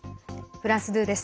フランス２です。